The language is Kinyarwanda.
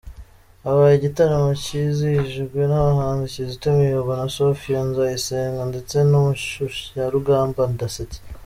Habaye igitaramo cyizihijwe n’abahanzi Kizito Mihigo na Sofiya Nzayisenga, ndetse n’umushyushyarugamba Ndasetse.